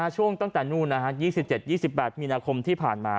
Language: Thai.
ช่วงตั้งแต่นู่น๒๗๒๘มีนาคมที่ผ่านมา